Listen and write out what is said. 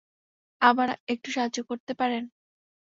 আবার একটু সাহায্য করতে পারেন?